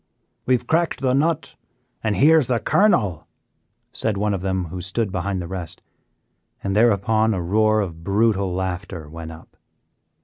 "We have cracked the nut and here is the kernel," said one of them who stood behind the rest, and thereupon a roar of brutal laughter went up.